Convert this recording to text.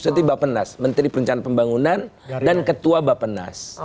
jadi bapak nas menteri perencanaan pembangunan dan ketua bapak nas